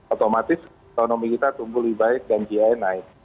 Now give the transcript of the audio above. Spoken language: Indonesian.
otomatis ekonomi kita tumbuh lebih baik dan gi naik